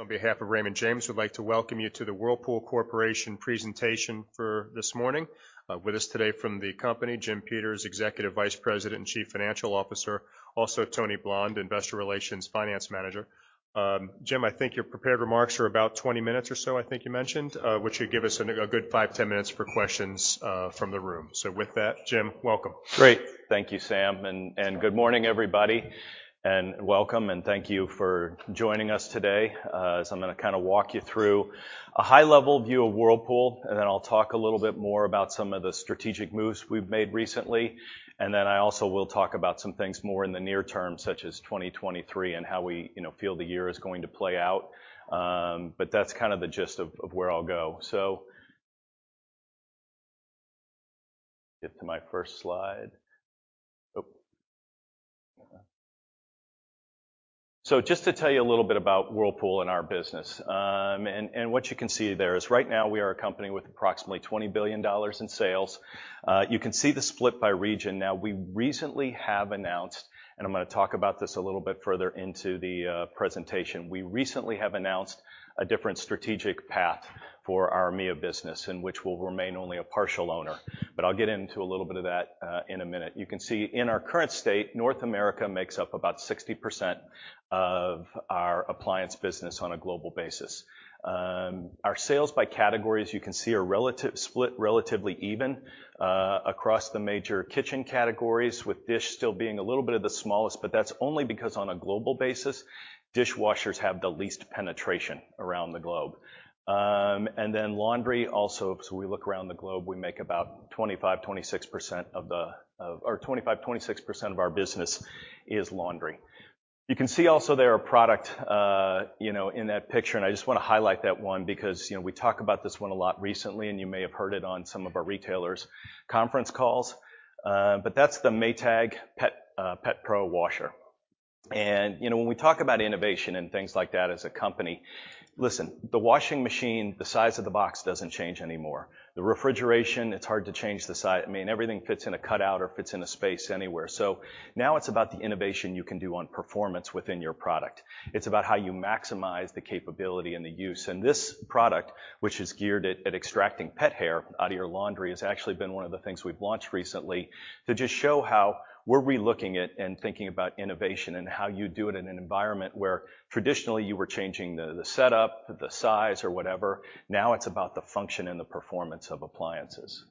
On behalf of Raymond James, we'd like to welcome you to the Whirlpool Corporation presentation for this morning. With us today from the company, Jim Peters, Executive Vice President and Chief Financial Officer, also Roxanne Warner, Investor Relations Finance Manager. Jim, I think your prepared remarks are about 20 minutes or so, I think you mentioned, which should give us a good five, 10 minutes for questions from the room. With that, Jim, welcome. Great. Thank you, Sam, good morning, everybody, welcome, and thank you for joining us today. I'm gonna kinda walk you through a high-level view of Whirlpool, and then I'll talk a little bit more about some of the strategic moves we've made recently. I also will talk about some things more in the near term, such as 2023, and how we, you know, feel the year is going to play out. That's kind of the gist of where I'll go. Get to my first slide. Oh. Just to tell you a little bit about Whirlpool and our business. What you can see there is right now we are a company with approximately $20 billion in sales. You can see the split by region. We recently have announced, and I'm gonna talk about this a little bit further into the presentation. We recently have announced a different strategic path for our EMEA business in which we'll remain only a partial owner, but I'll get into a little bit of that in a minute. You can see in our current state, North America makes up about 60% of our appliance business on a global basis. Our sales by categories, you can see, are split relatively even across the major kitchen categories, with dish still being a little bit of the smallest, but that's only because on a global basis, dishwashers have the least penetration around the globe. Laundry also, as we look around the globe, we make about 25%-26% of our business is laundry. You can see also there a product, you know, in that picture. I just wanna highlight that one because, you know, we talk about this one a lot recently. You may have heard it on some of our retailers' conference calls. That's the Maytag Pet Pro Washer. You know, when we talk about innovation and things like that as a company, listen, the washing machine, the size of the box doesn't change anymore. The refrigeration, it's hard to change I mean, everything fits in a cutout or fits in a space anywhere. Now it's about the innovation you can do on performance within your product. It's about how you maximize the capability and the use. This product, which is geared at extracting pet hair out of your laundry, has actually been one of the things we've launched recently to just show how we're relooking at and thinking about innovation and how you do it in an environment where traditionally you were changing the setup, the size, or whatever. Now it's about the function and the performance of appliances.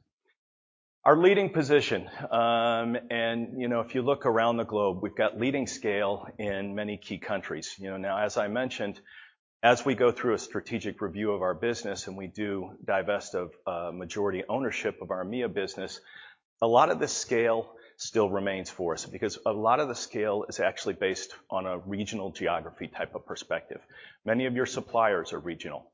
Our leading position, you know, if you look around the globe, we've got leading scale in many key countries. You know, now, as I mentioned, as we go through a strategic review of our business, and we do divest of majority ownership of our EMEA business, a lot of the scale still remains for us because a lot of the scale is actually based on a regional geography type of perspective. Many of your suppliers are regional.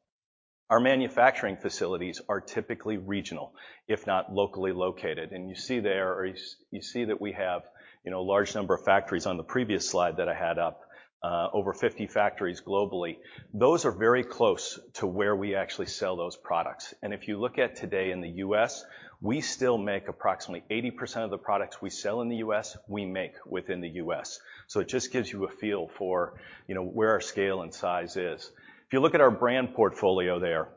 Our manufacturing facilities are typically regional, if not locally located. You see there, or you see that we have, you know, a large number of factories on the previous slide that I had up, over 50 factories globally. Those are very close to where we actually sell those products. If you look at today in the U.S., we still make approximately 80% of the products we sell in the U.S., we make within the U.S. It just gives you a feel for, you know, where our scale and size is. If you look at our brand portfolio there,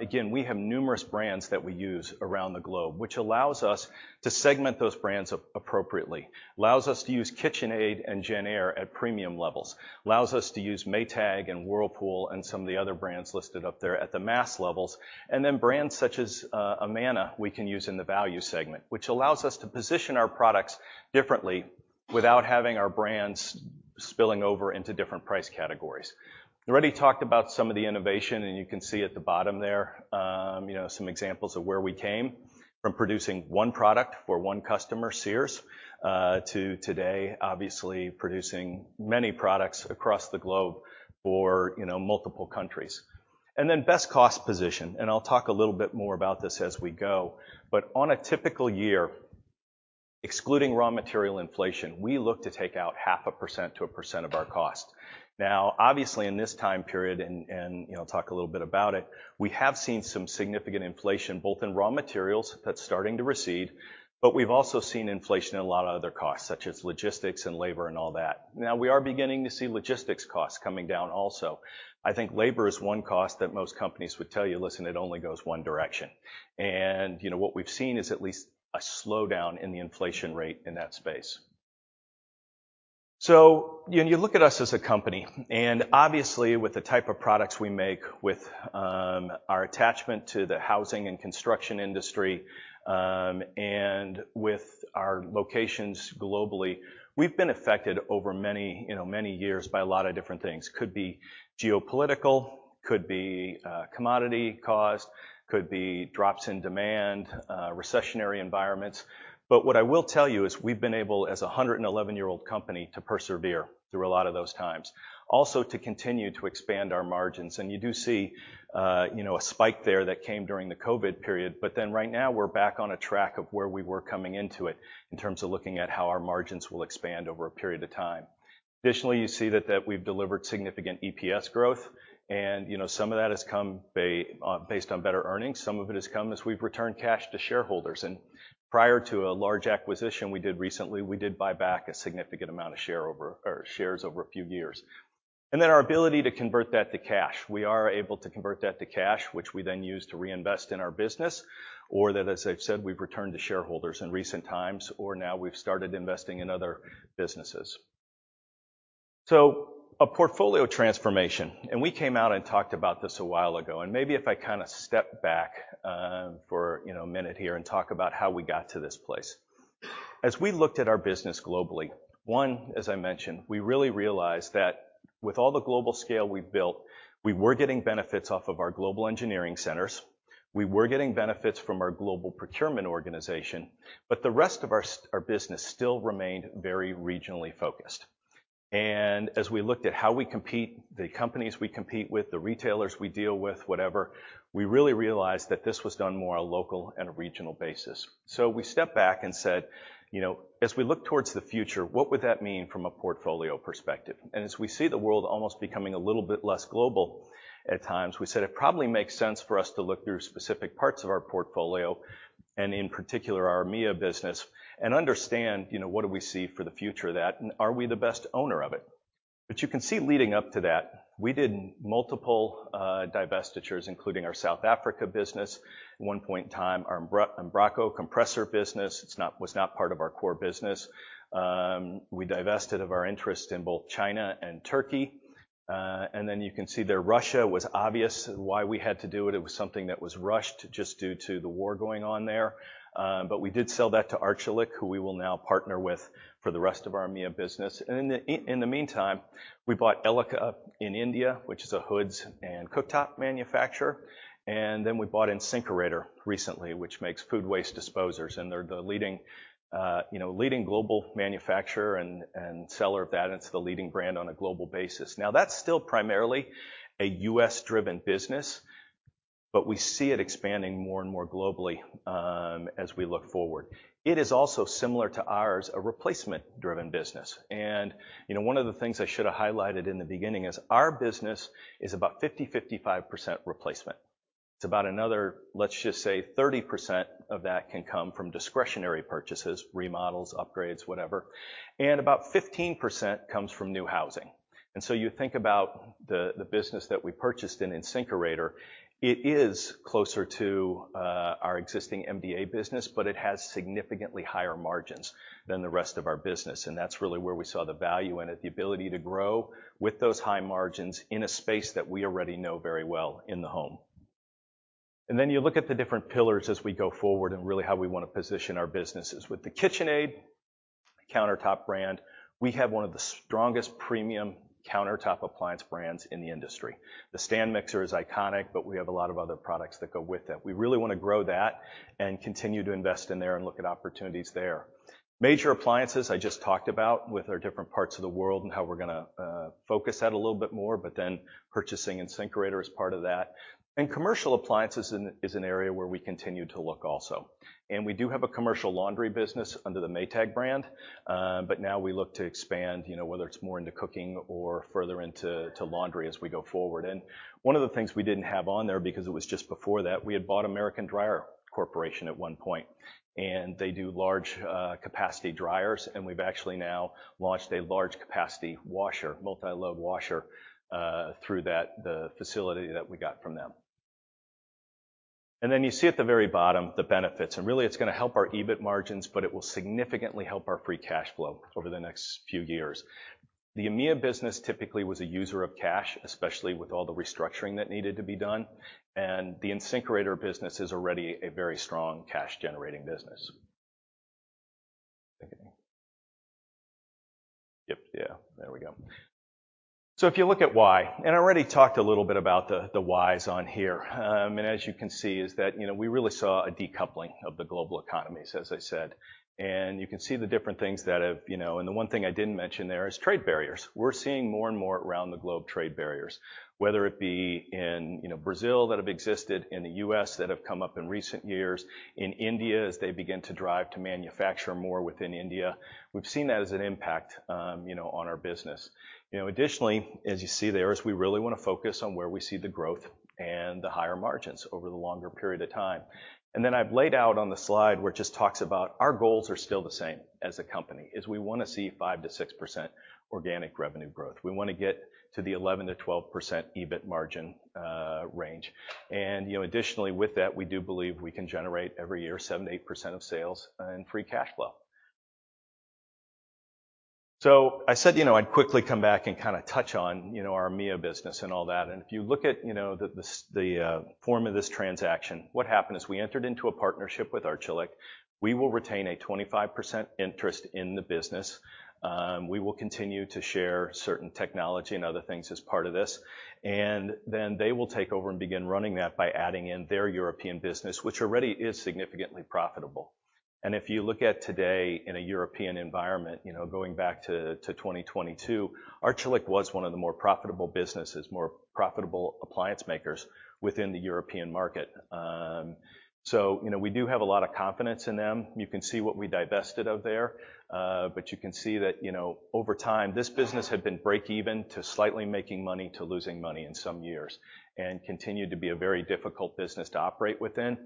again, we have numerous brands that we use around the globe, which allows us to segment those brands appropriately, allows us to use KitchenAid and JennAir at premium levels, allows us to use Maytag and Whirlpool and some of the other brands listed up there at the mass levels, then brands such as Amana we can use in the value segment, which allows us to position our products differently without having our brands spilling over into different price categories. I already talked about some of the innovation. You can see at the bottom there, you know, some examples of where we came from producing one product for one customer, Sears, to today, obviously producing many products across the globe for, you know, multiple countries. Then best cost position, and I'll talk a little bit more about this as we go. On a typical year, excluding raw material inflation, we look to take out half a percent to a percent of our cost. Obviously, in this time period, and, you know, I'll talk a little bit about it, we have seen some significant inflation, both in raw materials, that's starting to recede, but we've also seen inflation in a lot of other costs, such as logistics and labor and all that. We are beginning to see logistics costs coming down also. I think labor is one cost that most companies would tell you, "Listen, it only goes one direction." You know, what we've seen is at least a slowdown in the inflation rate in that space. When you look at us as a company, and obviously with the type of products we make, with our attachment to the housing and construction industry, and with our locations globally, we've been affected over many, you know, many years by a lot of different things. Could be geopolitical, could be commodity cost, could be drops in demand, recessionary environments. What I will tell you is we've been able, as a 111-year-old company, to persevere through a lot of those times, also to continue to expand our margins. You do see, you know, a spike there that came during the COVID period, but then right now we're back on a track of where we were coming into it in terms of looking at how our margins will expand over a period of time. Additionally, you see that we've delivered significant EPS growth, and, you know, some of that has come based on better earnings. Some of it has come as we've returned cash to shareholders. Prior to a large acquisition we did recently, we did buy back a significant amount of shares over a few years. Then our ability to convert that to cash. We are able to convert that to cash, which we then use to reinvest in our business, or that, as I've said, we've returned to shareholders in recent times, or now we've started investing in other businesses. A portfolio transformation, and we came out and talked about this a while ago, and maybe if I kind of step back, for, you know, a minute here and talk about how we got to this place. As we looked at our business globally, one, as I mentioned, we really realized that with all the global scale we've built, we were getting benefits off of our global engineering centers. We were getting benefits from our global procurement organization, but the rest of our business still remained very regionally focused. As we looked at how we compete, the companies we compete with, the retailers we deal with, whatever, we really realized that this was done more on a local and regional basis. we stepped back and said, "You know, as we look towards the future, what would that mean from a portfolio perspective?" as we see the world almost becoming a little bit less global at times, we said it probably makes sense for us to look through specific parts of our portfolio and in particular, our EMEA business and understand, you know, what do we see for the future of that, and are we the best owner of it? you can see leading up to that, we did multiple divestitures, including our South Africa business. At one point in time, our Embraco compressor business. was not part of our core business. we divested of our interest in both China and Turkey. then you can see there Russia was obvious why we had to do it. It was something that was rushed just due to the war going on there. We did sell that to Arçelik, who we will now partner with for the rest of our EMEA business. In the, in the meantime, we bought Elica in India, which is a hoods and cooktop manufacturer, and then we bought InSinkErator recently, which makes food waste disposers, and they're the leading, you know, leading global manufacturer and seller of that, and it's the leading brand on a global basis. Now, that's still primarily a U.S.-driven business, but we see it expanding more and more globally as we look forward. It is also similar to ours, a replacement-driven business. You know, one of the things I should have highlighted in the beginning is our business is about 50%-55% replacement. It's about another, let's just say 30% of that can come from discretionary purchases, remodels, upgrades, whatever, and about 15% comes from new housing. You think about the business that we purchased in InSinkErator, it is closer to our existing MDA business, but it has significantly higher margins than the rest of our business, and that's really where we saw the value in it, the ability to grow with those high margins in a space that we already know very well in the home. You look at the different pillars as we go forward and really how we want to position our businesses. With the KitchenAid countertop brand, we have one of the strongest premium countertop appliance brands in the industry. The stand mixer is iconic, but we have a lot of other products that go with it. We really wanna grow that and continue to invest in there and look at opportunities there. Major Appliances I just talked about with our different parts of the world and how we're gonna focus that a little bit more, but then purchasing InSinkErator as part of that. Commercial Appliances is an area where we continue to look also. We do have a commercial laundry business under the Maytag brand, but now we look to expand, you know, whether it's more into cooking or further into to laundry as we go forward. One of the things we didn't have on there, because it was just before that, we had bought American Dryer Corporation at one point, and they do large capacity dryers, and we've actually now launched a large capacity washer, multi-load washer, through that, the facility that we got from them. You see at the very bottom the benefits, and really it's gonna help our EBIT margins, but it will significantly help our free cash flow over the next few years. The EMEA business typically was a user of cash, especially with all the restructuring that needed to be done, and the InSinkErator business is already a very strong cash-generating business. Yep. Yeah. There we go. If you look at why, and I already talked a little bit about the whys on here. As you can see is that, you know, we really saw a decoupling of the global economies, as I said. You can see the different things that have, you know. The one thing I didn't mention there is trade barriers. We're seeing more and more around the globe trade barriers, whether it be in, you know, Brazil that have existed, in the U.S. that have come up in recent years, in India as they begin to drive to manufacture more within India. We've seen that as an impact, you know, on our business. You know, additionally, as you see there, is we really wanna focus on where we see the growth and the higher margins over the longer period of time. I've laid out on the slide where it just talks about our goals are still the same as a company, is we wanna see 5%-6% organic revenue growth. We wanna get to the 11%-12% EBIT margin range. You know, additionally, with that, we do believe we can generate every year 7%-8% of sales and free cash flow. I said, you know, I'd quickly come back and kinda touch on, you know, our EMEA business and all that. If you look at, you know, the form of this transaction, what happened is we entered into a partnership with Arçelik. We will retain a 25% interest in the business. We will continue to share certain technology and other things as part of this, and then they will take over and begin running that by adding in their European business, which already is significantly profitable. If you look at today in a European environment, you know, going back to 2022, Arçelik was one of the more profitable businesses, more profitable appliance makers within the European market. You know, we do have a lot of confidence in them. You can see what we divested of there, but you can see that, you know, over time, this business had been break even to slightly making money to losing money in some years and continued to be a very difficult business to operate within.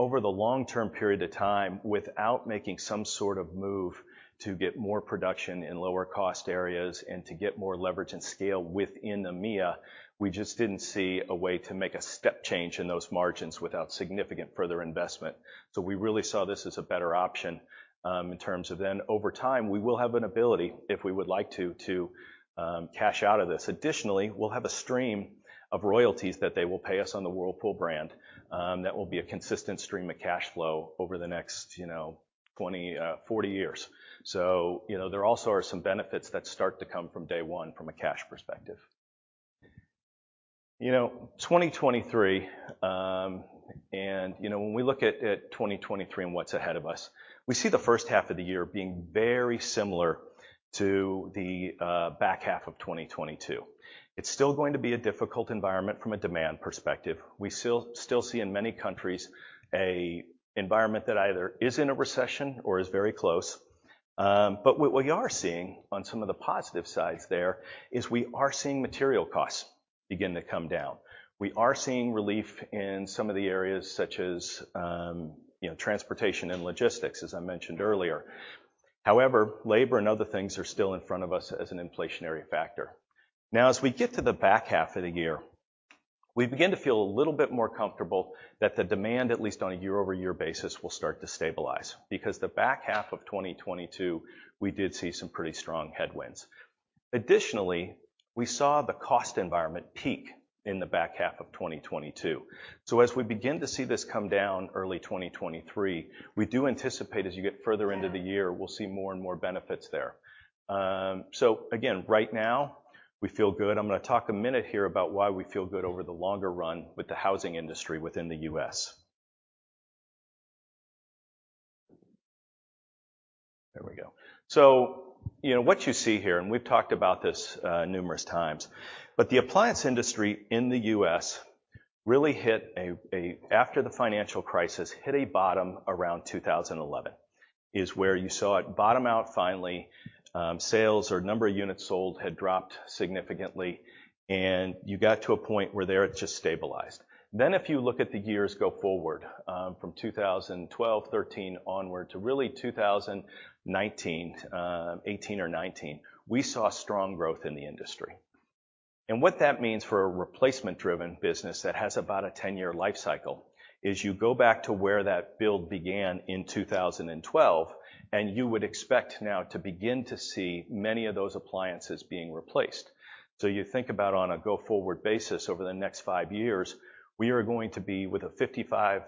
Over the long-term period of time, without making some sort of move To get more production in lower cost areas and to get more leverage and scale within EMEA, we just didn't see a way to make a step change in those margins without significant further investment. We really saw this as a better option, in terms of then over time, we will have an ability, if we would like to cash out of this. Additionally, we'll have a stream of royalties that they will pay us on the Whirlpool brand, that will be a consistent stream of cash flow over the next, you know, 20, 40 years. You know, there also are some benefits that start to come from day 1 from a cash perspective. You know, 2023, you know, when we look at 2023 and what's ahead of us, we see the H1 of the year being very similar to the back half of 2022. It's still going to be a difficult environment from a demand perspective. We still see in many countries a environment that either is in a recession or is very close. What we are seeing on some of the positive sides there is we are seeing material costs begin to come down. We are seeing relief in some of the areas such as, you know, transportation and logistics, as I mentioned earlier. However, labor and other things are still in front of us as an inflationary factor. Now as we get to the back half of the year, we begin to feel a little bit more comfortable that the demand, at least on a year-over-year basis, will start to stabilize. Because the back half of 2022, we did see some pretty strong headwinds. Additionally, we saw the cost environment peak in the back half of 2022. As we begin to see this come down early 2023, we do anticipate as you get further into the year, we'll see more and more benefits there. Again, right now we feel good. I'm gonna talk a minute here about why we feel good over the longer run with the housing industry within the U.S. There we go. You know, what you see here, and we've talked about this numerous times, but the appliance industry in the U.S. really hit after the financial crisis, hit a bottom around 2011, is where you saw it bottom out finally. Sales or number of units sold had dropped significantly, and you got to a point where there it just stabilized. If you look at the years go forward, from 2012, 13 onward to really 2019, 18 or 19, we saw strong growth in the industry. What that means for a replacement-driven business that has about a 10-year life cycle is you go back to where that build began in 2012, and you would expect now to begin to see many of those appliances being replaced. You think about on a go-forward basis over the next five years, we are going to be with a 55%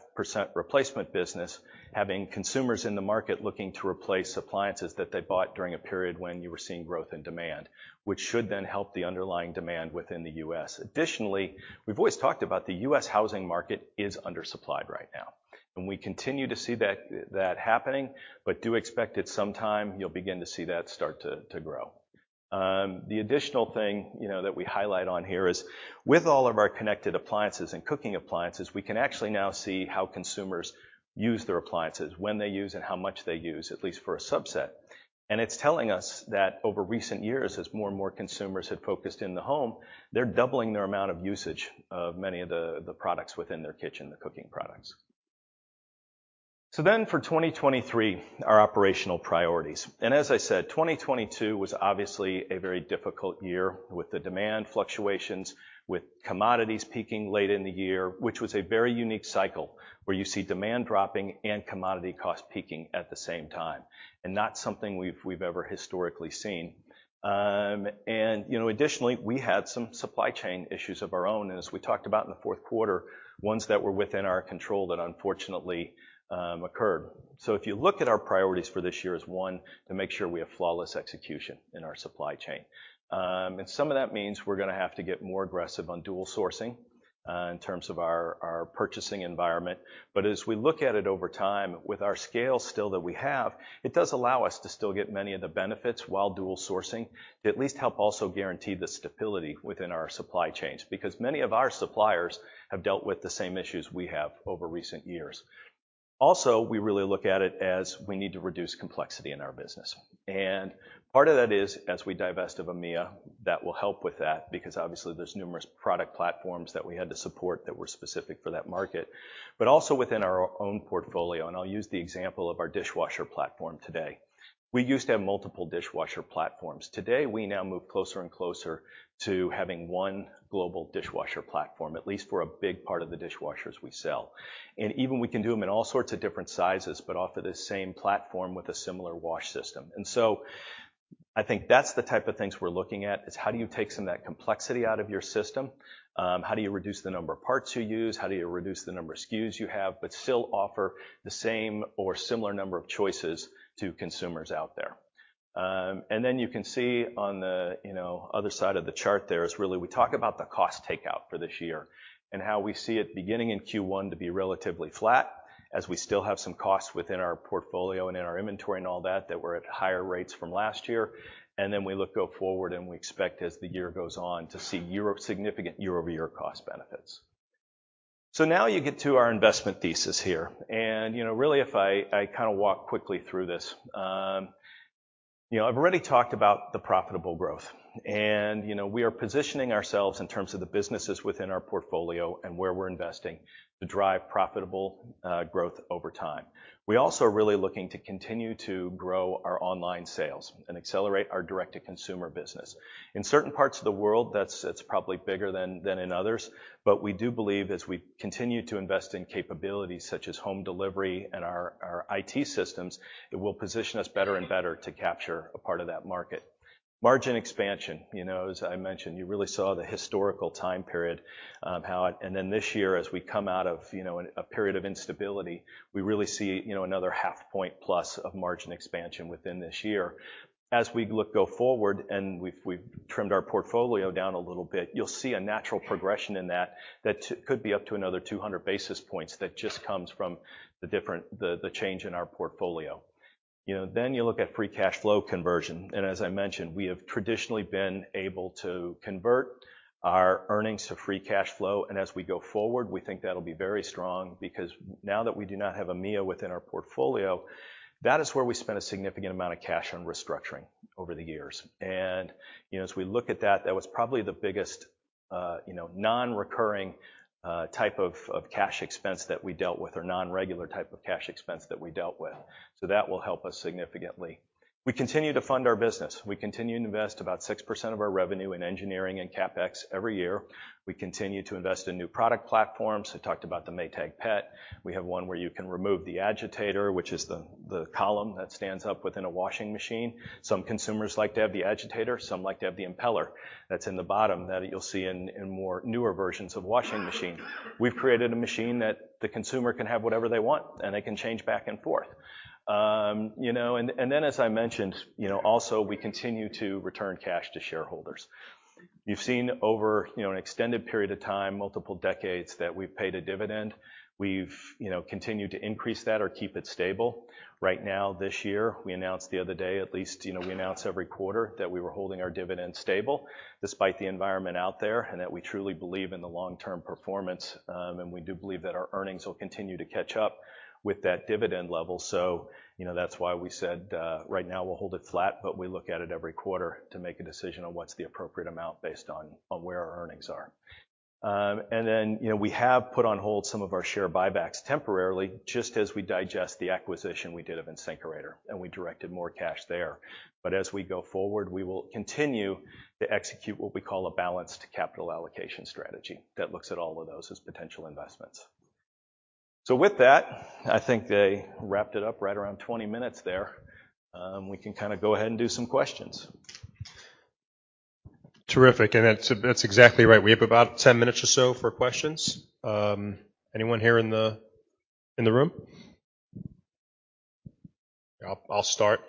replacement business, having consumers in the market looking to replace appliances that they bought during a period when you were seeing growth in demand, which should then help the underlying demand within the U.S. Additionally, we've always talked about the U.S. housing market is undersupplied right now, and we continue to see that happening, but do expect at some time you'll begin to see that start to grow. The additional thing, you know, that we highlight on here is with all of our connected appliances and cooking appliances, we can actually now see how consumers use their appliances, when they use, and how much they use, at least for a subset. It's telling us that over recent years, as more and more consumers have focused in the home, they're doubling their amount of usage of many of the products within their kitchen, the cooking products. For 2023, our operational priorities. As I said, 2022 was obviously a very difficult year with the demand fluctuations, with commodities peaking late in the year, which was a very unique cycle, where you see demand dropping and commodity costs peaking at the same time, and not something we've ever historically seen. You know, additionally, we had some supply chain issues of our own, and as we talked about in the Q4, ones that were within our control that unfortunately occurred. If you look at our priorities for this year is, one, to make sure we have flawless execution in our supply chain. Some of that means we're gonna have to get more aggressive on dual sourcing in terms of our purchasing environment. As we look at it over time, with our scale still that we have, it does allow us to still get many of the benefits while dual sourcing to at least help also guarantee the stability within our supply chains, because many of our suppliers have dealt with the same issues we have over recent years. Also, we really look at it as we need to reduce complexity in our business. Part of that is, as we divest of EMEA, that will help with that because obviously there's numerous product platforms that we had to support that were specific for that market. Also within our own portfolio, and I'll use the example of our dishwasher platform today. We used to have multiple dishwasher platforms. Today, we now move closer and closer to having one global dishwasher platform, at least for a big part of the dishwashers we sell. Even we can do them in all sorts of different sizes, but offer the same platform with a similar wash system. I think that's the type of things we're looking at, is how do you take some of that complexity out of your system? How do you reduce the number of parts you use? How do you reduce the number of SKUs you have, but still offer the same or similar number of choices to consumers out there? You can see on the, you know, other side of the chart there is really we talk about the cost takeout for this year and how we see it beginning in Q1 to be relatively flat as we still have some costs within our portfolio and in our inventory and all that were at higher rates from last year. We look go forward, and we expect as the year goes on to see Europe, significant year-over-year cost benefits. Now you get to our investment thesis here. You know, really, if I kind of walk quickly through this, You know, I've already talked about the profitable growth, and, you know, we are positioning ourselves in terms of the businesses within our portfolio and where we're investing to drive profitable growth over time. We also are really looking to continue to grow our online sales and accelerate our direct-to-consumer business. In certain parts of the world, it's probably bigger than in others, but we do believe as we continue to invest in capabilities such as home delivery and our IT systems, it will position us better and better to capture a part of that market. Margin expansion. You know, as I mentioned, you really saw the historical time period. This year, as we come out of, you know, a period of instability, we really see, you know, another half point plus of margin expansion within this year. As we look go forward, and we've trimmed our portfolio down a little bit, you'll see a natural progression in that could be up to another 200 basis points that just comes from the different, the change in our portfolio. You know, you look at free cash flow conversion, as I mentioned, we have traditionally been able to convert our earnings to free cash flow. As we go forward, we think that'll be very strong because now that we do not have EMEA within our portfolio, that is where we spent a significant amount of cash on restructuring over the years. You know, as we look at that was probably the biggest, you know, non-recurring type of cash expense that we dealt with or non-regular type of cash expense that we dealt with. That will help us significantly. We continue to fund our business. We continue to invest about 6% of our revenue in engineering and CapEx every year. We continue to invest in new product platforms. I talked about the Maytag Pet Pro. We have one where you can remove the agitator, which is the column that stands up within a washing machine. Some consumers like to have the agitator, some like to have the impeller that's in the bottom that you'll see in more newer versions of washing machine. We've created a machine that the consumer can have whatever they want, and they can change back and forth. You know, and then as I mentioned, you know, also we continue to return cash to shareholders. You've seen over, you know, an extended period of time, multiple decades, that we've paid a dividend. We've, you know, continued to increase that or keep it stable. Right now, this year, we announced the other day at least, you know, we announce every quarter that we were holding our dividend stable despite the environment out there, and that we truly believe in the long-term performance, and we do believe that our earnings will continue to catch up with that dividend level. You know, that's why we said, right now we'll hold it flat, but we look at it every quarter to make a decision on what's the appropriate amount based on where our earnings are. then, you know, we have put on hold some of our share buybacks temporarily, just as we digest the acquisition we did of InSinkErator, and we directed more cash there. As we go forward, we will continue to execute what we call a balanced capital allocation strategy that looks at all of those as potential investments. With that, I think I wrapped it up right around 20 minutes there. We can kind of go ahead and do some questions. Terrific. That's, that's exactly right. We have about 10 minutes or so for questions. Anyone here in the, in the room? I'll start.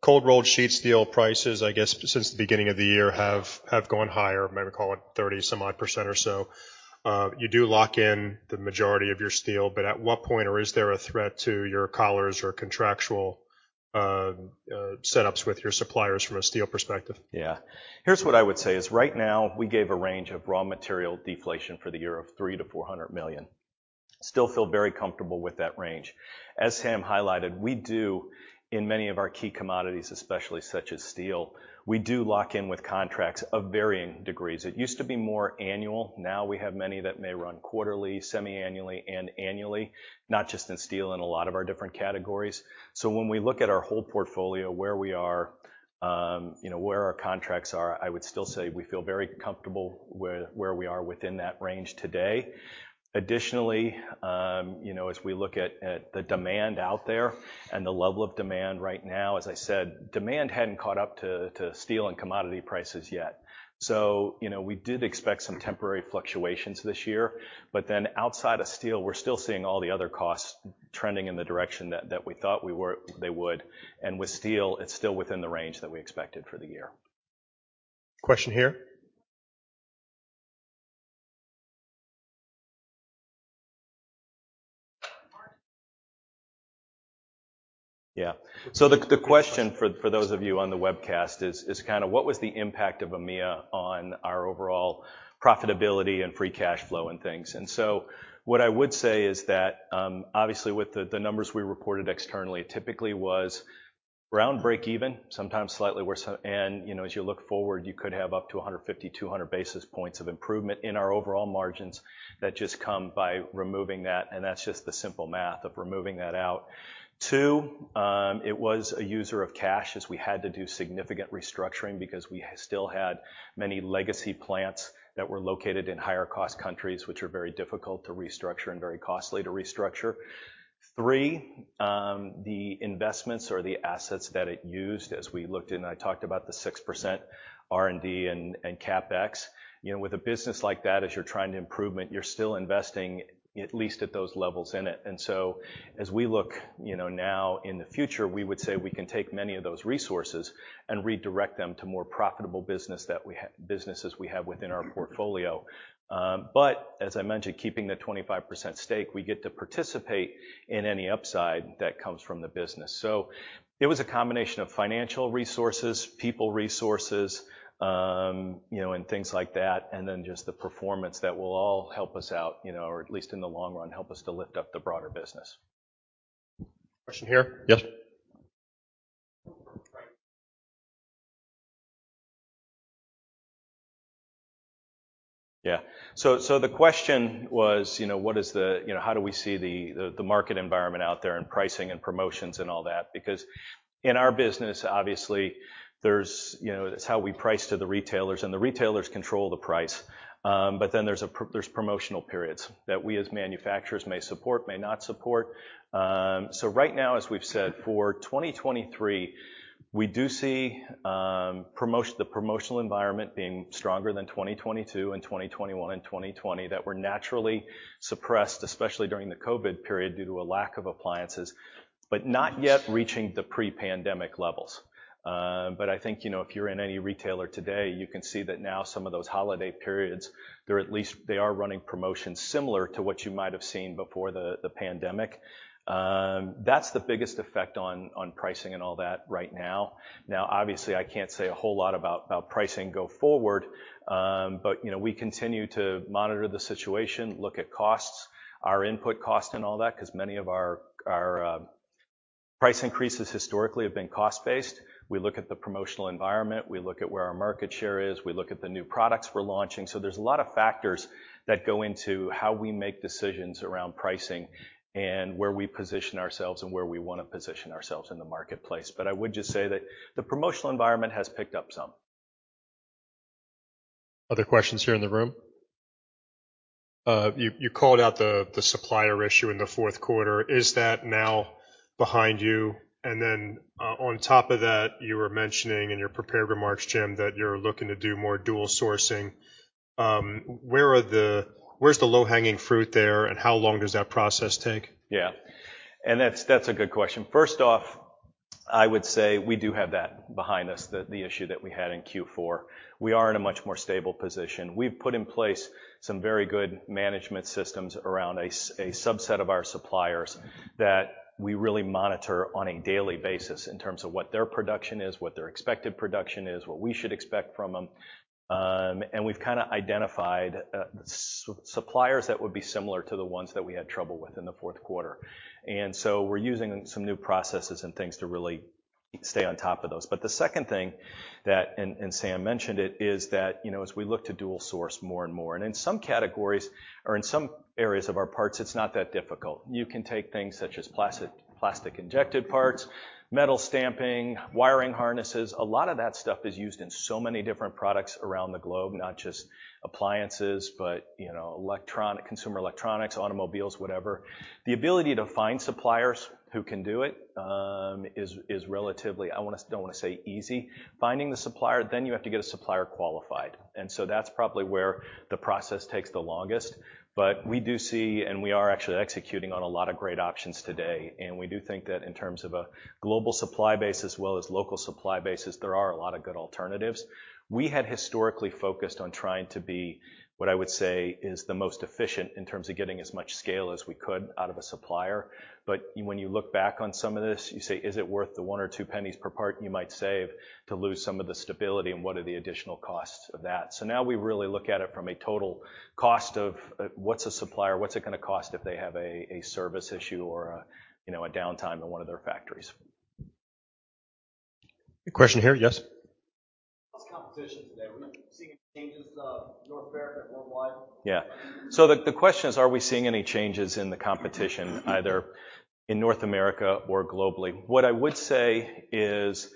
Cold-rolled sheet steel prices, I guess since the beginning of the year, have gone higher, maybe call it 30% or so. You do lock in the majority of your steel, but at what point or is there a threat to your collars or contractual setups with your suppliers from a steel perspective. Here's what I would say is right now, we gave a range of raw material deflation for the year of $300 million-$400 million. Still feel very comfortable with that range. As Sam highlighted, we do in many of our key commodities, especially such as steel, we do lock in with contracts of varying degrees. It used to be more annual. Now we have many that may run quarterly, semi-annually, and annually, not just in steel, in a lot of our different categories. When we look at our whole portfolio, where we are, you know, where our contracts are, I would still say we feel very comfortable where we are within that range today. Additionally, you know, as we look at the demand out there and the level of demand right now, as I said, demand hadn't caught up to steel and commodity prices yet. You know, we did expect some temporary fluctuations this year, outside of steel, we're still seeing all the other costs trending in the direction that we thought they would. With steel, it's still within the range that we expected for the year. Question here. The, the question for those of you on the webcast is kind of what was the impact of EMEA on our overall profitability and free cash flow and things. What I would say is that, obviously, with the numbers we reported externally, it typically was around breakeven, sometimes slightly worse. You know, as you look forward, you could have up to 150, 200 basis points of improvement in our overall margins that just come by removing that, and that's just the simple math of removing that out. Two, it was a user of cash, as we had to do significant restructuring because we still had many legacy plants that were located in higher cost countries, which are very difficult to restructure and very costly to restructure. Three, the investments or the assets that it used as we looked, and I talked about the 6% R&D and CapEx. You know, with a business like that, as you're trying to improvement, you're still investing at least at those levels in it. As we look, you know, now in the future, we would say we can take many of those resources and redirect them to more profitable businesses we have within our portfolio. But as I mentioned, keeping the 25% stake, we get to participate in any upside that comes from the business. It was a combination of financial resources, people resources, you know, and things like that, and then just the performance that will all help us out, you know, or at least in the long run, help us to lift up the broader business. Question here. Yes. Yeah. So the question was, you know, what is the, you know, how do we see the market environment out there and pricing and promotions and all that? Because in our business, obviously, there's, you know, it's how we price to the retailers, and the retailers control the price. There's promotional periods that we as manufacturers may support, may not support. Right now, as we've said, for 2023, we do see the promotional environment being stronger than 2022 and 2021 and 2020 that were naturally suppressed, especially during the COVID period, due to a lack of appliances, but not yet reaching the pre-pandemic levels. I think, you know, if you're in any retailer today, you can see that now some of those holiday periods, they're at least they are running promotions similar to what you might have seen before the pandemic. That's the biggest effect on pricing and all that right now. Now obviously, I can't say a whole lot about pricing go forward. You know, we continue to monitor the situation, look at costs, our input cost and all that 'cause many of our price increases historically have been cost-based. We look at the promotional environment. We look at where our market share is. We look at the new products we're launching. There's a lot of factors that go into how we make decisions around pricing and where we position ourselves and where we wanna position ourselves in the marketplace. I would just say that the promotional environment has picked up some. Other questions here in the room? You called out the supplier issue in the Q4. Is that now behind you? On top of that, you were mentioning in your prepared remarks, Jim, that you're looking to do more dual sourcing. Where's the low-hanging fruit there, and how long does that process take? Yeah. That's a good question. First off, I would say we do have that behind us, the issue that we had in Q4. We are in a much more stable position. We've put in place some very good management systems around a subset of our suppliers that we really monitor on a daily basis in terms of what their production is, what their expected production is, what we should expect from them. We've kinda identified suppliers that would be similar to the ones that we had trouble with in the Q4. We're using some new processes and things to really stay on top of those. The second thing that, and Sam mentioned it, is that, you know, as we look to dual source more and more, and in some categories or in some areas of our parts, it's not that difficult. You can take things such as plastic-injected parts, metal stamping, wiring harnesses. A lot of that stuff is used in so many different products around the globe, not just appliances, but, you know, electronic, consumer electronics, automobiles, whatever. The ability to find suppliers who can do it, is relatively don't wanna say easy finding the supplier, then you have to get a supplier qualified. That's probably where the process takes the longest. We do see, and we are actually executing on a lot of great options today. We do think that in terms of a global supply base as well as local supply bases, there are a lot of good alternatives. We had historically focused on trying to be what I would say is the most efficient in terms of getting as much scale as we could out of a supplier. When you look back on some of this, you say, "Is it worth the one or two pennies per part you might save to lose some of the stability, and what are the additional costs of that?" Now we really look at it from a total cost of what's a supplier, what's it gonna cost if they have a service issue or a, you know, a downtime in one of their factories. A question here. Yes. How's competition today? Are we seeing any changes, North America and worldwide? Yeah. The question is: Are we seeing any changes in the competition, either in North America or globally? What I would say is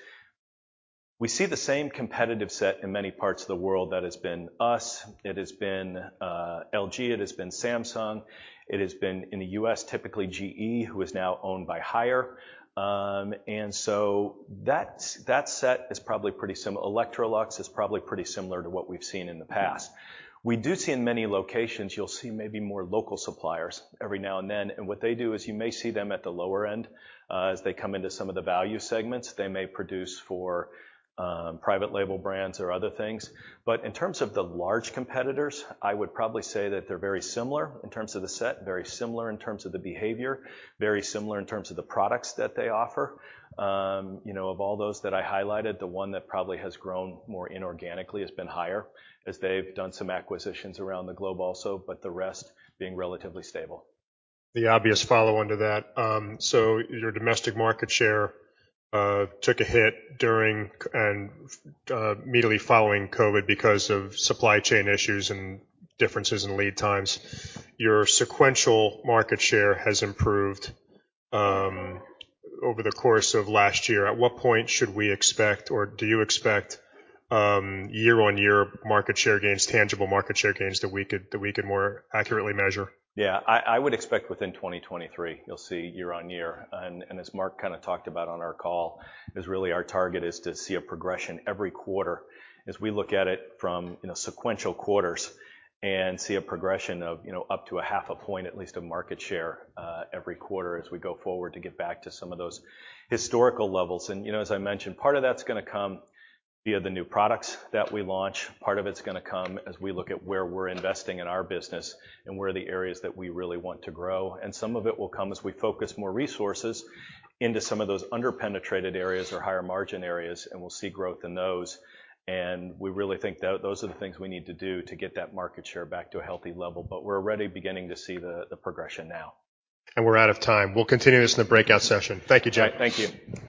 we see the same competitive set in many parts of the world that has been us, it has been LG, it has been Samsung. It has been, in the U.S., typically GE, who is now owned by Haier. Electrolux is probably pretty similar to what we've seen in the past. We do see in many locations, you'll see maybe more local suppliers every now and then. What they do is you may see them at the lower end as they come into some of the value segments. They may produce for private label brands or other things. In terms of the large competitors, I would probably say that they're very similar in terms of the set, very similar in terms of the behavior, very similar in terms of the products that they offer. You know, of all those that I highlighted, the one that probably has grown more inorganically has been Haier, as they've done some acquisitions around the globe also, but the rest being relatively stable. The obvious follow-on to that, your domestic market share took a hit during and immediately following COVID because of supply chain issues and differences in lead times. Your sequential market share has improved over the course of last year. At what point should we expect or do you expect year-on-year market share gains, tangible market share gains that we could more accurately measure? Yeah. I would expect within 2023, you'll see year-over-year. As Marc kinda talked about on our call, is really our target is to see a progression every quarter as we look at it from, you know, sequential quarters and see a progression of, you know, up to a 0.5 point at least of market share every quarter as we go forward to get back to some of those historical levels. You know, as I mentioned, part of that's gonna come via the new products that we launch. Part of it's gonna come as we look at where we're investing in our business and where are the areas that we really want to grow. Some of it will come as we focus more resources into some of those under-penetrated areas or higher margin areas, and we'll see growth in those. We really think those are the things we need to do to get that market share back to a healthy level. We're already beginning to see the progression now. We're out of time. We'll continue this in the breakout session. Thank you, Jim. Thank you.